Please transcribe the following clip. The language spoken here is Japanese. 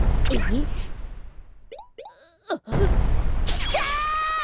きた！